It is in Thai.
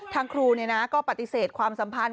ทางครูก็ปฏิเสธความสัมพันธ์